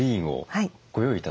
はい。